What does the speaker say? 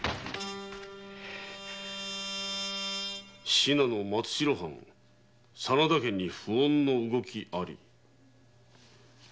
「信濃松代藩真田家に不穏な動き」？